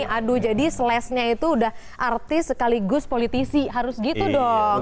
aduh jadi slashnya itu udah artis sekaligus politisi harus gitu dong